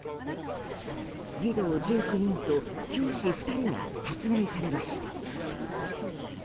児童１９人と教師２人が殺害されました。